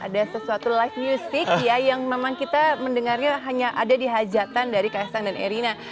ada sesuatu live music ya yang memang kita mendengarnya hanya ada di hajatan dari kaisang dan erina